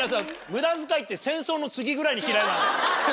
無駄遣いって戦争の次ぐらいに嫌いなんだから。